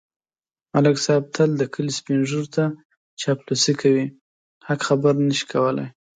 ملک صاحب تل د کلي سپېنږیروته چاپلوسي کوي. حق خبره نشي کولای.